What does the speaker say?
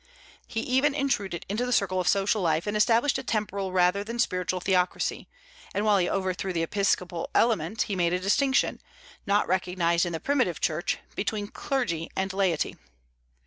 He even intruded into the circle of social life, and established a temporal rather than a spiritual theocracy; and while he overthrew the episcopal element, he made a distinction, not recognized in the primitive church, between clergy and laity.